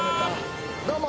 どうも。